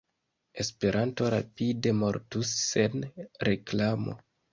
Esperanto rapide mortus sen reklamo!